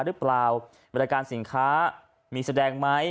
หรือเปล่าบริการสินค้ามีแสดงไหม